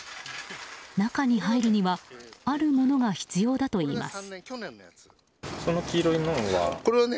中に入るにはあるものが必要だといいます。